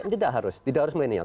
tidak harus tidak harus milenial